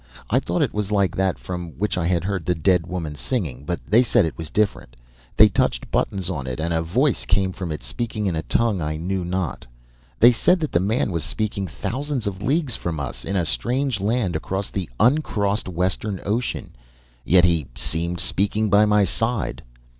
I thought it was like that from which I had heard the dead woman singing, but they said it was different. They touched buttons on it and a voice came from it speaking in a tongue I knew not. They said that the man was speaking thousands of leagues from us, in a strange land across the uncrossed western ocean, yet he seemed speaking by my side!